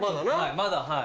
まだはい。